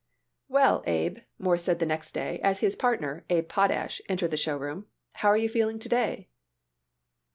"Well, Abe," Morris said the next day as his partner, Abe Potash, entered the show room, "how are you feeling to day?"